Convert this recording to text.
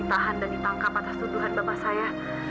dia ditahan dan ditangkap atas tuduhan bapak saya